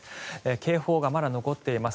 警報がまだ残っています。